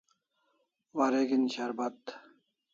Wareg'in sharbat